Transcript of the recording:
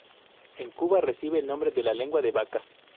En Cuba recibe el nombre de lengua de vaca.